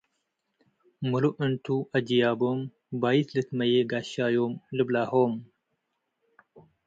“ሙሉእ እንቱ አጅያቦም ባይት ልትመዬ ጋሻዮም...” ልብላሆም ።